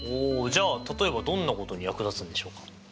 じゃあ例えばどんなことに役立つんでしょうか？